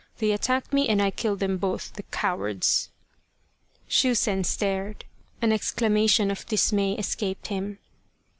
They attacked me and I killed them both, the cowards !" Shusen started. An exclamation of dismay escaped him.